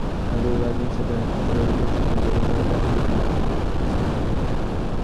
ঠাকুরগাঁও আধুনিক সদর হাসপাতালে রোগীদের সঙ্গে দুর্ব্যবহারের প্রতিবাদে মানববন্ধন করেছেন স্থানীয় সাংবাদিকেরা।